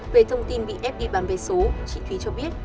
về thông tin bị ép đi bán vé số chị thúy cho biết